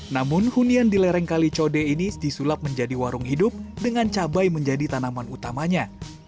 namun hunian di lereng kalicode ini disulap menjadi warung hidup dengan cabai menjadi tanaman utamanya